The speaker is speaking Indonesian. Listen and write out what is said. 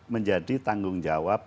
menjadi tanggung jawab